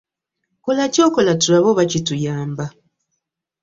Kola ky'okola tulabe oba kituyamba.